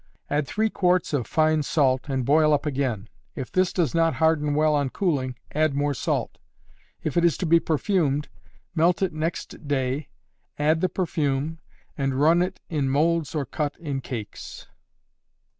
Add three quarts of fine salt, and boil up again. If this does not harden well on cooling, add more salt. If it is to be perfumed, melt it next day, add the perfume, and run it in molds or cut in cakes.